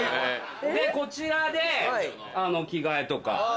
でこちらで着替えとか。